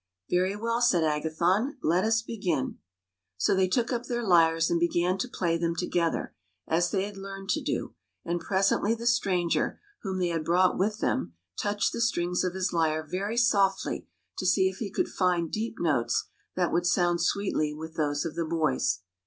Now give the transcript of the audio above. " Very well," said Agathon. " Let us begin." So they took up their lyres and began to play them together as they had learned to do; and presently the stranger, whom they had brought with them, touched the strings of his lyre very softly, to see if he could find deep notes that would sound sweetly with* those of the boys.